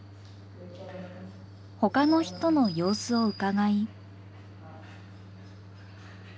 ほかの人の様子をうかがい。